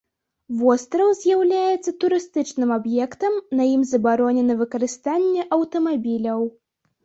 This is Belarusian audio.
Востраў з'яўляецца турыстычным аб'ектам, на ім забаронена выкарыстанне аўтамабіляў.